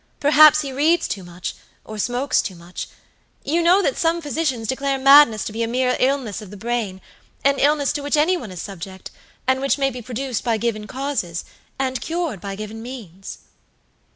Perhaps he reads too much, or smokes too much. You know that some physicians declare madness to be a mere illness of the brainan illness to which any one is subject, and which may be produced by given causes, and cured by given means."